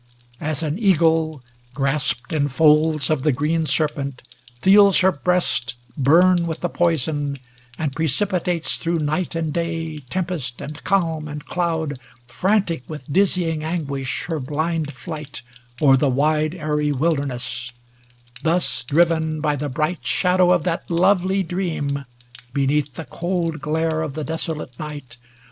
As an eagle, grasped In folds of the green serpent, feels her breast Burn with the poison, and precipitates Through night aud day, tempest, and calm, and cloud, 230 Frantic with dizzying anguish, her blind flight O'er the wide aery wilderness: thus driven By the bright shadow of that lovely dream, Beneath the cold glare of the desolate night.